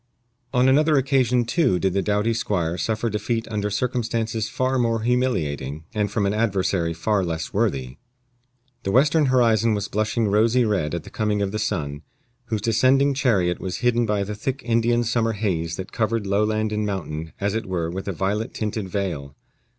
On another occasion, too, did the doughty squire suffer defeat under circumstances far more humiliating, and from an adversary far less worthy. The western horizon was blushing rosy red at the coming of the sun, whose descending chariot was hidden by the thick Indian summer haze that covered lowland and mountain as it were with a violet tinted veil.